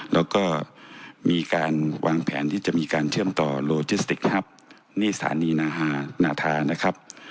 แล้วก็มีการวางแผนที่จะมีการเชื่อมต่อนี่สถานีนาธานะครับ